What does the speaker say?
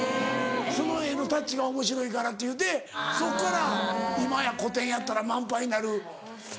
その絵のタッチがおもしろいからっていうてそっから今や個展やったら満杯になる。